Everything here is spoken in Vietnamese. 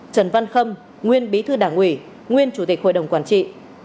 trần văn khâm nguyên bí thư đảng ủy nguyên chủ tịch hội đồng quản trị